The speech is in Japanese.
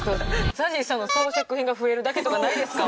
ＺＡＺＹさんの装飾品が増えるだけとかないですか？